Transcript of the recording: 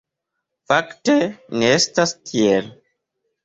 Fakte ne estas tiel.